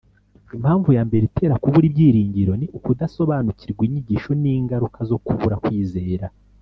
Impamvu ya mbere itera kubura ibyiringiro ni ukudasobanukirwa inyigisho n'ingaruka zo kubura kwizera